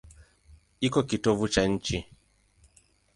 Iko kitovu cha nchi.